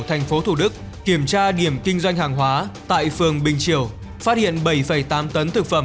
tp thủ đức kiểm tra điểm kinh doanh hàng hóa tại phường bình chiểu phát hiện bảy tám tấn thực phẩm